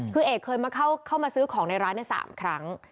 คือเอกเคยเข้ามาซื้อของในร้าน๓ครั้ง